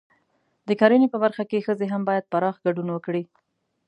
د کرنې په برخه کې ښځې هم باید پراخ ګډون وکړي.